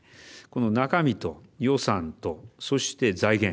この中身と予算とそして財源